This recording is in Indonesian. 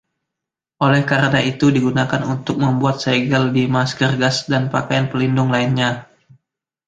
Oleh karena itu digunakan untuk membuat segel di masker gas dan pakaian pelindung lainnya.